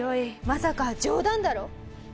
まさか冗談だろ？